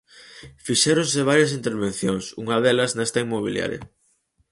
Fixéronse varias intervencións, unha delas nesta inmobiliaria.